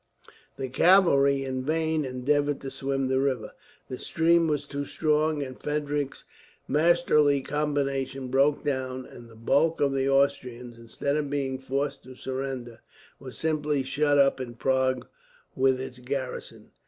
The cavalry in vain endeavoured to swim the river. The stream was too strong, and Frederick's masterly combination broke down; and the bulk of the Austrians, instead of being forced to surrender, were simply shut up in Prague with its garrison.